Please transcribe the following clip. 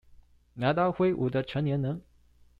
拿刀揮舞的成年人